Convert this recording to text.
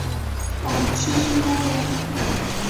往七星公园